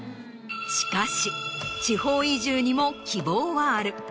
しかし地方移住にも希望はある。